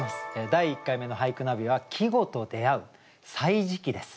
第１回目の「俳句ナビ」は「季語と出会う歳時記」です。